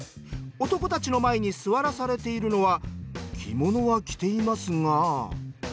男たちの前に座らされているのは着物は着ていますが。